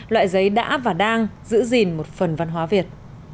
loại giấy đã và đang giữ gìn một phần văn hóa việt